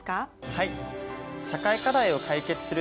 はい。